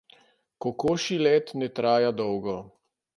Kokošji let ne traja dolgo.